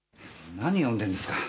何読んでるんですか？